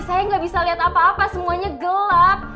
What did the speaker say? saya gak bisa liat apa apa semuanya gelap